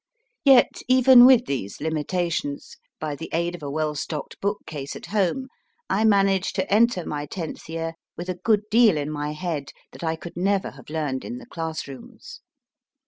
Yet, , even with these limitations, by the aid of a well stocked bookcase at home, I managed MY DEBUT AS A STORY TELLER to enter my tenth year with a good deal in my head that I could never have learned in the class rooms.